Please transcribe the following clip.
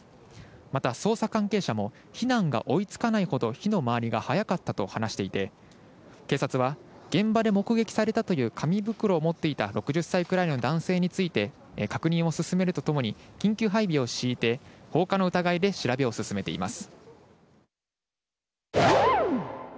また、捜査関係者も、避難が追いつかないほど火の回りが早かったと話していて、警察は現場で目撃されたという紙袋を持っていた６０歳くらいの男性について、確認を進めるとともに、緊急配備を敷いて、放火の疑いで調べを進めています。